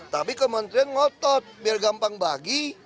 tapi kementerian ngotot biar gampang bagi